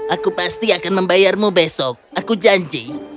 aku pasti akan membayarmu besok aku janji